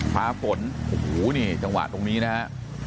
ฟ้าฝนโอ้โหนี่จังหวะตรงนี้นะฮะ